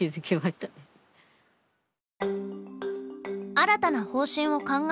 新たな方針を考える